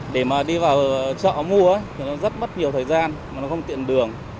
để mà đi vào chợ mua thì nó rất mất nhiều thời gian mà nó không tiện đường